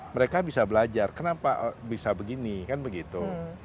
mereka bisa belajar kenapa bisa begini kan begitu